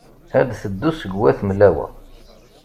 Ad d-teddu seg wat Mlawa.